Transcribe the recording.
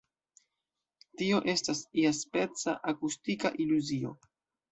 Tio estas iaspeca „akustika iluzio“.